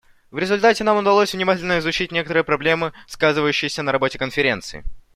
В результате нам удалось внимательно изучить некоторые проблемы, сказывающиеся на работе Конференции.